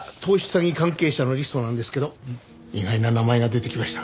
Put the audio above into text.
詐欺関係者のリストなんですけど意外な名前が出てきました。